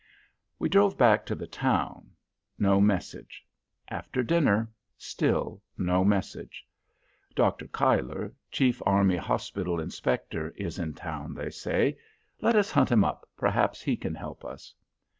We drove back to the town. No message. After dinner still no message. Dr. Cuyler, Chief Army Hospital Inspector, is in town, they say. Let us hunt him up, perhaps he can help us.